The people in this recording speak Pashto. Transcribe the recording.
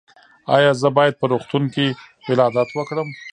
ایا زه باید په روغتون کې ولادت وکړم؟